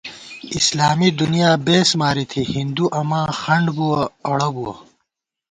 اسلامی دُنیا بېس ماری تھی، ہندُو اماں خنڈ بُوَہ اڑہ بُوَہ